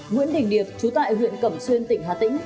nguyễn đình điệp chú tại huyện cẩm xuyên tỉnh hà tĩnh